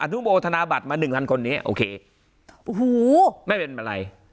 นุโมทนาบัตรมาหนึ่งพันคนนี้โอเคโอ้โหไม่เป็นอะไร